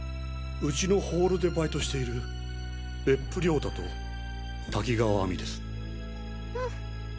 うちのホールでバイトしている別府亮太と滝川亜美です。